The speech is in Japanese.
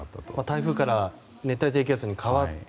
台風から熱帯低気圧に変わった。